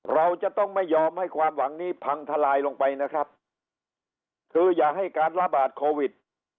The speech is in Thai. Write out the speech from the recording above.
เราจะต้องไม่ยอมให้ความหวังนี้พังทลายลงไปนะครับคืออย่าให้การระบาดโควิด